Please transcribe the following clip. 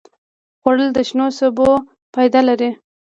خوړل د شنو سبو فایده لري